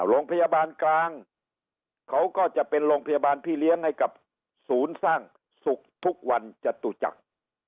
โรงพยาบาลกลางเขาก็จะเป็นโรงพยาบาลพี่เลี้ยงให้กับศูนย์สร้างสุขทุกวันจตุจักร